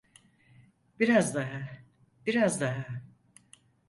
Biraz daha, biraz daha.